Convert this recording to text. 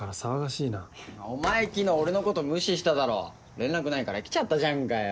連絡ないから来ちゃったじゃんかよ。